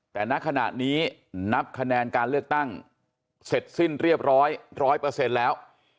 แต่ณขณะนี้นับคะแนนการเลือกตั้งเสร็จสิ้นเรียบร้อยร้อยเปอร์เซ็นต์แล้ว